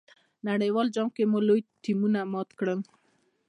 نړیوال جام کې مو لوی ټیمونه مات کړل.